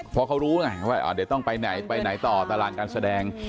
เพราะเขารู้ไงว่าเดี๋ยวต้องไปไหนไปไหนต่อตารางการแสดง